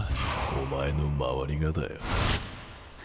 お前の周りがだよ。